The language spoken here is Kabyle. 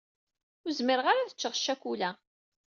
Ur zmireɣ ara ad ččeɣ ccakula.